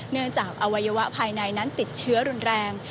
จากอวัยวะภายในนั้นติดเชื้อรุนแรง